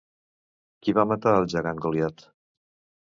Qui va matar el gegant Goliat?